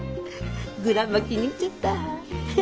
グランマ気に入っちゃった！